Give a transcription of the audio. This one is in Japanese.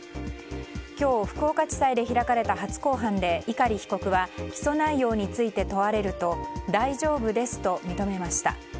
今日、福岡地裁で開かれた初公判で、碇被告は起訴内容について問われると大丈夫ですと認めました。